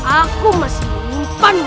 aku masih menyimpanmu